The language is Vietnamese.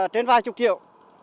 trên vài chục triệu